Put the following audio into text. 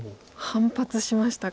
反発しました。